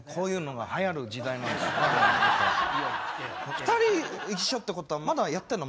２人一緒ってことはまだやってんの？